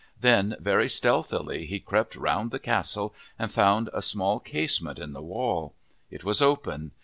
Then, very stealthily he crept round the castle and found a small casement in the wall. It was open.